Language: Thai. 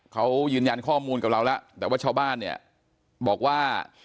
เขายืนยันข้อมูลกับเราแล้วแต่ว่าชาวบ้านเนี่ยบอกว่า